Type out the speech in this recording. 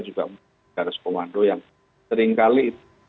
juga dari sebuah komando yang seringkali